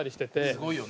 すごいよね。